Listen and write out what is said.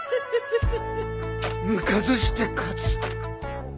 抜かずして勝つ。